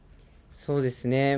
そうですね。